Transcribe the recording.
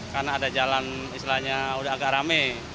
karena ada jalan istilahnya udah agak rame